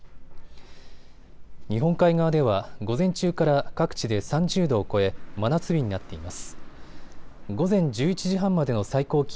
日本海側では午前中から各地で３０度を超え、真夏日になっています。